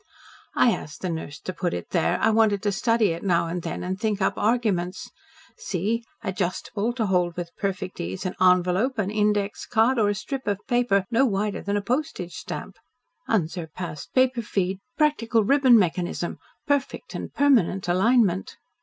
"I asked the nurse to put it there. I wanted to study it now and then and think up arguments. See adjustable to hold with perfect ease an envelope, an index card, or a strip of paper no wider than a postage stamp. Unsurpassed paper feed, practical ribbon mechanism perfect and permanent alignment."